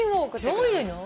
どういうの？